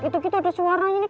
itu gitu ada suaranya nih